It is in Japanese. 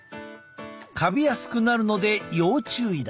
カビやすくなるので要注意だ。